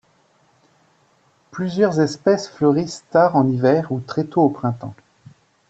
Plusieurs espèces fleurissent tard en hiver ou très tôt au printemps.